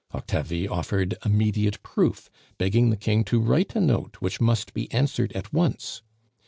Octavie offered immediate proof, begging the King to write a note which must be answered at once.